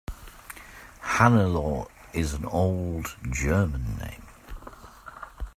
Hannelore is an old German name.